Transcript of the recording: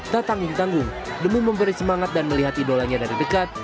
tak tanggung tanggung demi memberi semangat dan melihat idolanya dari dekat